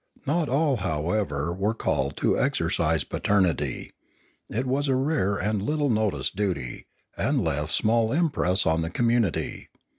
Not all, however, were called on to exercise paternity; it was a rare and little noticed duty, and left small im press on the community.